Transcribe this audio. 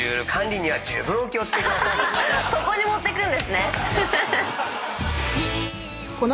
そこに持ってくんですね。